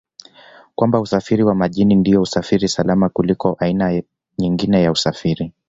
kwamba Usafiri wa Majini ndio usafiri salama kuliko aina nyingine ya usafiri